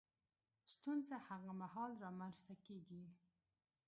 ستونزه هغه مهال رامنځ ته کېږي